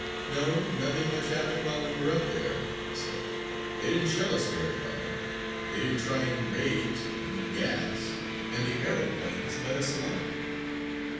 "No, nothing much happened while we were up there," he said. "They didn't shell us very hard; they didn't try any raids or any gas and the aeroplanes let us alone."